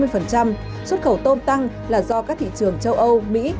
xuất khẩu tôm tăng là do các thị trường châu âu mỹ